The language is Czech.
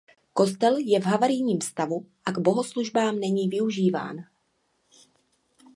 Kostel je v havarijním stavu a k bohoslužbám není využíván.